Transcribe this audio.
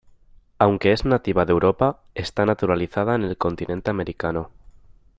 Aunque es nativa de Europa está naturalizada en el continente americano.